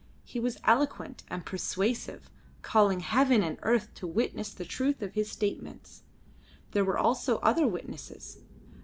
He was eloquent and persuasive, calling Heaven and Earth to witness the truth of his statements. There were also other witnesses.